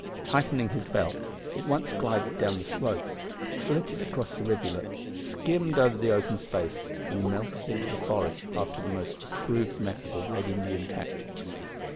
Tightening his belt, he at once glided down the slope, flitted across the rivulet, skimmed over the open space, and melted into the forest after the most approved method of Red Indian tactics.